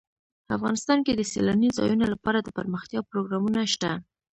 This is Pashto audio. افغانستان کې د سیلانی ځایونه لپاره دپرمختیا پروګرامونه شته.